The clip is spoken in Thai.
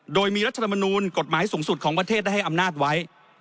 โดยมีรัฐธรรมนูลกฎหมายสูงสุดของประเทศได้ให้อำนาจไว้